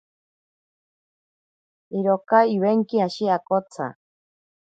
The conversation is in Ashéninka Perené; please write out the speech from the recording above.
Iroka iwenki ashi okatsa.